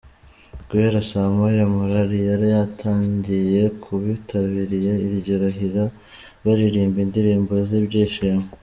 Guhera saa moya, morali yari yatangiye ku bitabiriye iryo rahira, baririmba indirimbo z’ibyishimo.